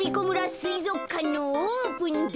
すいぞくかんのオープンだ。